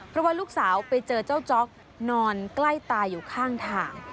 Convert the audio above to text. เพราะว่าลูกสาวไปเจอเจ้าจ๊อกนอนใกล้ตายอยู่ข้างทาง